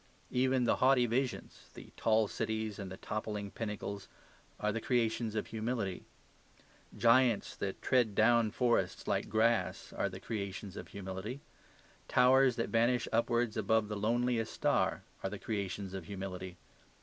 Even the haughty visions, the tall cities, and the toppling pinnacles are the creations of humility. Giants that tread down forests like grass are the creations of humility. Towers that vanish upwards above the loneliest star are the creations of humility.